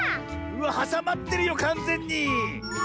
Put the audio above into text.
はさまってるよかんぜんに！